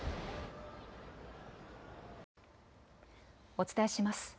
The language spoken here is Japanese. お伝えします。